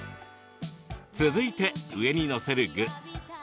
続いて、上に載せる具。